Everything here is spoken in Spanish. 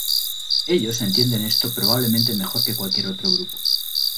Ellos entienden esto probablemente mejor que cualquier otro grupo.